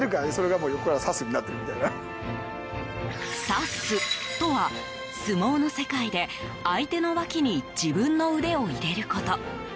差すとは、相撲の世界で相手のわきに自分の腕を入れること。